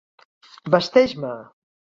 Vesteix-me!